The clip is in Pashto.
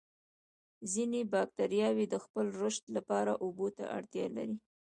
ځینې باکتریاوې د خپل رشد لپاره اوبو ته اړتیا لري.